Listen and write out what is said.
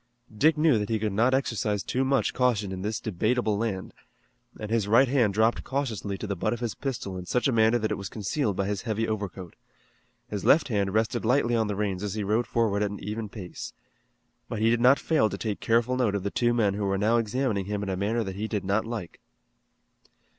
Dick knew that he could not exercise too much caution in this debatable land, and his right hand dropped cautiously to the butt of his pistol in such a manner that it was concealed by his heavy overcoat. His left hand rested lightly on the reins as he rode forward at an even pace. But he did not fail to take careful note of the two men who were now examining him in a manner that he did not like.